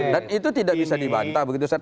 dan itu tidak bisa dibantah begitu saja